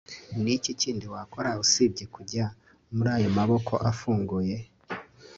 niki kindi wakora usibye kujya muri aya maboko afunguye